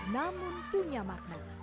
namun punya maksud